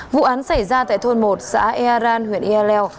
vụ án xảy ra tại thôn một xã yaran huyện yalel